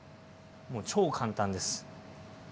もう超簡単です。